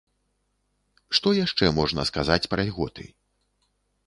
Што яшчэ можна сказаць пра льготы?